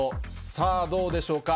さあ、どうでしょうか。